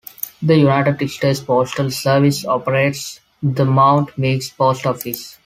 The United States Postal Service operates the Mount Meigs Post Office.